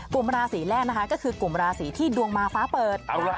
กลุ่มราศีแรกนะคะก็คือกลุ่มราศีที่ดวงมาฟ้าเปิด